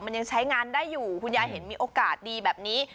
มันยังใช้งานได้อยู่คุณยายเห็นมีโอกาสดีแบบนี้